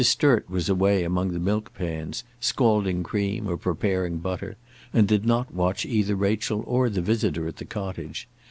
Sturt was away among the milk pans, scalding cream or preparing butter, and did not watch either Rachel or the visitor at the cottage.